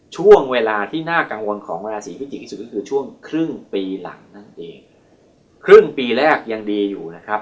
ช่วงเวลาที่น่ากังวลของราศีพิจิกที่สุดก็คือช่วงครึ่งปีหลังนั่นเองครึ่งปีแรกยังดีอยู่นะครับ